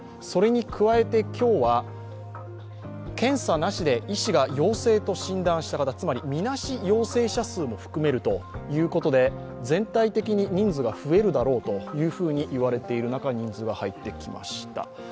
それに加えて、今日は検査なしで医師が要請と診断した方、つまり、みなし陽性者数も含めるということで、全体的に人数が増えるだろうと言われている中で人数が入ってきました。